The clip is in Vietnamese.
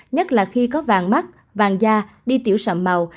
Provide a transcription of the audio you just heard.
nhất là khi có vàng mắt vàng da đi tiểu sầm màu